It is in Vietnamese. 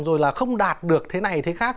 rồi là không đạt được thế này thế khác